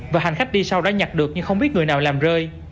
và hành khách đi sau đã nhặt được nhưng không biết người nào làm rơi